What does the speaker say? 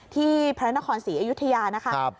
พระนครศรีอยุธยานะคะ